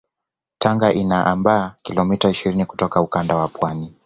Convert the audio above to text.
Tanga inaambaa kilomita ishirini kutoka ukanda wa pwani